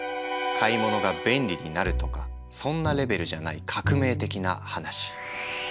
買い物が便利になるとかそんなレベルじゃない革命的なハナシ。